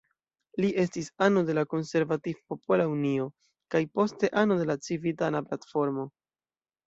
Li estis ano de la Konservativ-Popola Unio, kaj poste ano de la Civitana Platformo.